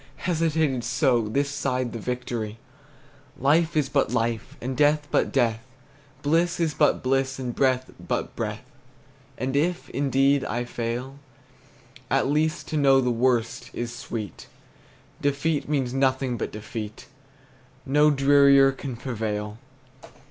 Hesitated so This side the victory! Life is but life, and death but death! Bliss is but bliss, and breath but breath! And if, indeed, I fail, At least to know the worst is sweet. Defeat means nothing but defeat, No drearier can prevail!